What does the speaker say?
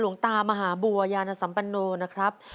ตามหาบัวยานสัมปโนนะครับ